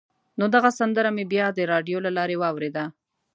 نو دغه سندره مې بیا د راډیو له لارې واورېده.